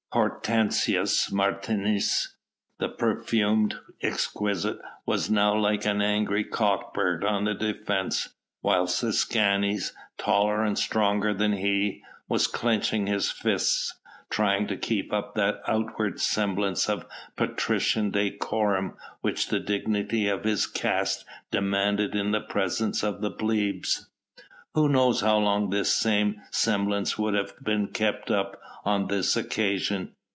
Hortensius Martius, the perfumed exquisite, was now like an angry cockbird on the defence, whilst Escanes, taller and stronger than he, was clenching his fists, trying to keep up that outward semblance of patrician decorum which the dignity of his caste demanded in the presence of the plebs. Who knows how long this same semblance would have been kept up on this occasion?